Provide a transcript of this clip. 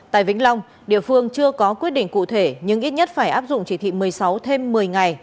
tại vĩnh long địa phương chưa có quyết định cụ thể nhưng ít nhất phải áp dụng chỉ thị một mươi sáu thêm một mươi ngày